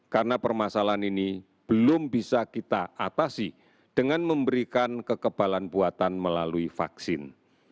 karena permasalahan ini belum bisa kita atasi dengan memberikan kekebalan buatan melalui vaksin